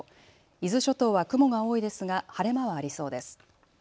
伊豆諸島は雲が多いですが晴れ間はありそうです。